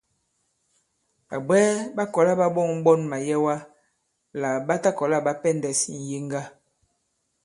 Ɓàbwɛɛ ɓa kɔ̀la ɓa ɓɔ̂ŋ ɓɔn màyɛwa lā ɓa ta kɔ̀la ɓa pɛndɛ̄s ŋ̀yeŋga.